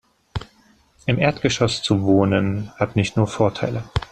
Im Erdgeschoss zu wohnen, hat nicht nur Vorteile.